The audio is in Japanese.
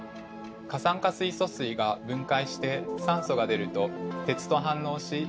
過酸化水素水が分解して酸素が出ると鉄と反応しサビが発生します。